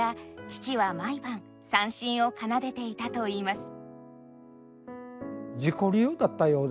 父は毎晩三線を奏でていたといいます。